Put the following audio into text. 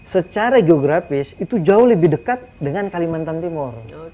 secara geografis itu jauh lebih dekat dengan kalimantan timur